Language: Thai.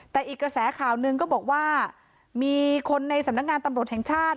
แต่อีกกระแสข่าวหนึ่งก็บอกว่ามีคนในสำนักงานตำรวจแห่งชาติ